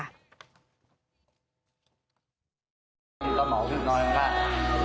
ตบแบบผมว่าโด่มรอดแล้วนะ